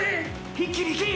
一気にいけ！